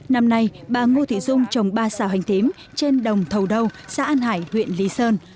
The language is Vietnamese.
năm nay bà ngô thị dung trồng ba xào hành tím trên đồng thầu đâu xã an hải huyện lý sơn